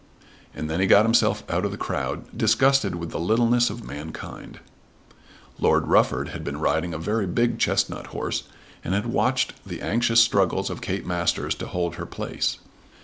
And then he got himself out of the crowd, disgusted with the littleness of mankind. Lord Rufford had been riding a very big chestnut horse, and had watched the anxious struggles of Kate Masters to hold her place.